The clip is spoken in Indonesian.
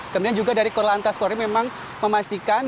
kemudian juga dari kulantar sekolah ini memang memastikan